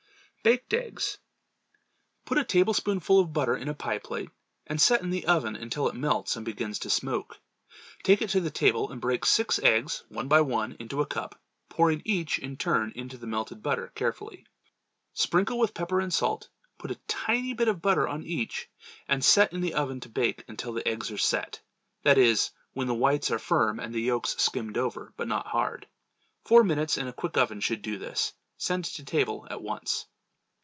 Baked Eggs. Put a tablespoonful of butter in a pie plate, and set in the oven until it melts and begins to smoke. Take it to the table and break six eggs one by one into a cup, pouring each in turn into the melted butter carefully. Sprinkle with pepper and salt, put a tiny bit of butter on each and set in the oven to bake until the eggs are "set"—that is, when the whites are firm and the yolks skimmed over, but not hard. Four minutes in a quick oven should do this. Send to table at once.